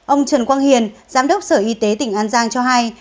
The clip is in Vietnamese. ông trần quang hiền giám đốc sở y tế tỉnh an giang cho hay